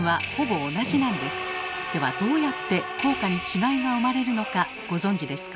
ではどうやって効果に違いが生まれるのかご存じですか？